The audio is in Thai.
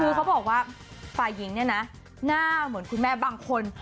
คือเขาบอกว่าฝ่ายหญิงเนี่ยนะหน้าเหมือนคุณแม่บางคน